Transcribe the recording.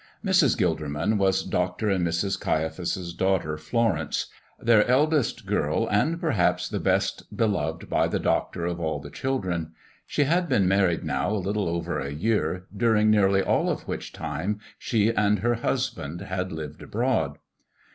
Mrs. Gilderman was Dr. and Mrs. Caiaphas's daughter Florence their eldest girl, and perhaps the best beloved by the doctor of all the children. She had been married now a little over a year, during nearly all of which time she and her husband had lived abroad.